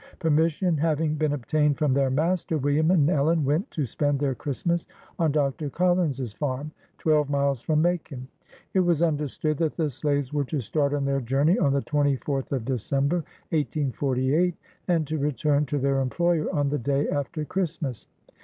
Permission having been obtained from their master, William and Ellen went to spend their Christmas on Dr. Collins' s farm, twelve miles from Macon. It was 78 BIOGRAPHY OF understood that the slaves were to start on their journey on the 24th of December. 1848, and to return to their employer on the day after Christmas.